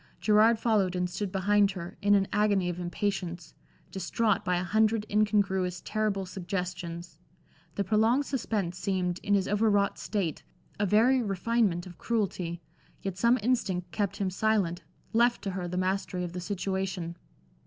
Gerard followed and stood behind her, in an agony of impatience, distraught by a hundred incongruous, terrible suggestions. The prolonged suspense seemed, in his over wrought state, a very refinement of cruelty, yet some instinct kept him silent, left to her the mastery of the situation.